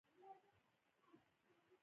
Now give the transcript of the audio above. په پیل کې یې ډیر شهرت نه درلود.